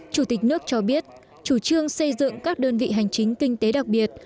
chủ tịch nước cho biết chủ trương xây dựng các đơn vị hành chính kinh tế đặc biệt